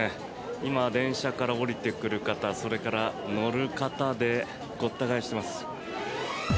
今、電車から降りてくる方それから乗る方でごった返しています。